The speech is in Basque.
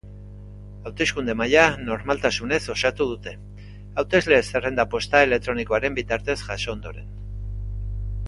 Hauteskunde-mahaia normaltasunez osatu dute, hautesle-zerrenda posta elektronikoaren bitartez jaso ostean.